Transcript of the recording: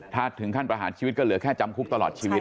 ถ้าถึงขั้นประหารชีวิตก็เหลือแค่จำคุกตลอดชีวิต